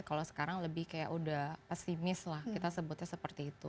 kalau sekarang lebih kayak udah pesimis lah kita sebutnya seperti itu